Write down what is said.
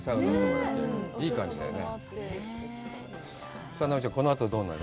いい感じだよね。